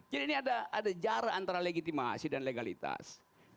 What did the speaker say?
jadi ini ada jarak antara legitimasi dan legalitas